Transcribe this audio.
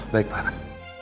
baik pak aris